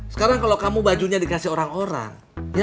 sekarang kalau kamu bajunya dikasih orang orang